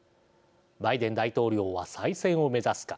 バイデン大統領は再選を目指すか。